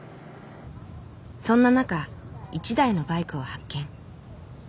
そんな中１台のバイクを発見。